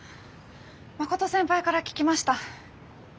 真琴先輩から聞きました。